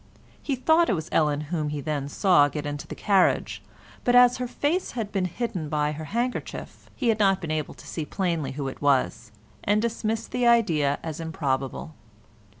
He thought it was Ellen whom he then saw get into the carriage, but as her face had been hidden by her handkerchief he had not been able to see plainly who it was, and dismissed the idea as improbable.